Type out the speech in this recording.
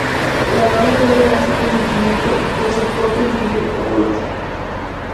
La novia debe dar su consentimiento por su propia y libre voluntad.